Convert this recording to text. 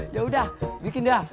ya udah bikin dah